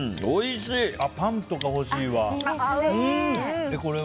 パンとか欲しいわ。